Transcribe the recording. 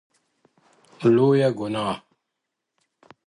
• لويه گناه؛